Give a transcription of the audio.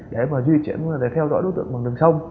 để mà di chuyển để theo dõi đối tượng bằng đường sông